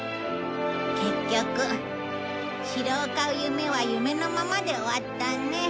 結局城を買う夢は夢のままで終わったね。